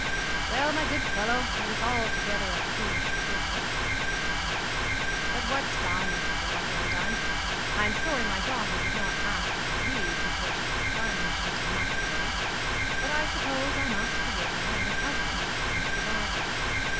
'Well, my good fellow, it is altogether a foolish business,' he said; 'but what's done cannot be undone. I am sorry my daughter did not ask my leave before she plunged into matrimony; but I suppose I must forgive her, and her husband into the bargain.